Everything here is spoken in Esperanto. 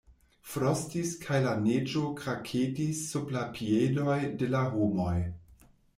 Frostis kaj la neĝo kraketis sub la piedoj de la homoj.